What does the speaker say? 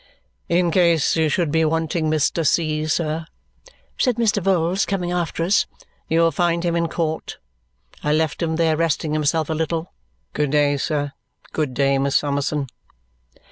"In case you should be wanting Mr. C., sir," said Mr. Vholes, coming after us, "you'll find him in court. I left him there resting himself a little. Good day, sir; good day, Miss Summerson."